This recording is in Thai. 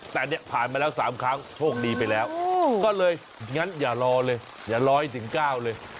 แต่เนี่ยผ่านมาแล้ว๓ครั้งโชคดีไปแล้วก็เลยงั้นอย่ารอเลยอย่าร้อยถึง๙เลย